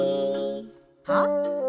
はっ？